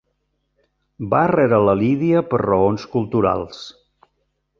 Va rere la Lídia per raons culturals.